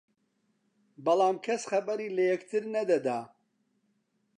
بەڵام کەس خەبەری لە یەکتر نەدەدا